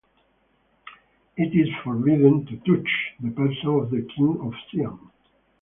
It is forbidden to touch the person of the king of Siam.